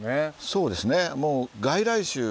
そうですね。